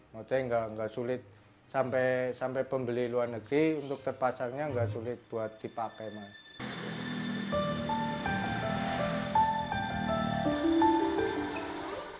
maksudnya nggak sulit sampai pembeli luar negeri untuk terpasangnya nggak sulit buat dipakai mas